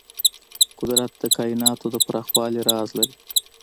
قدرت د کایناتو د پراخوالي راز لري.